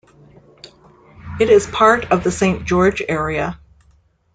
It is part of the Saint George area.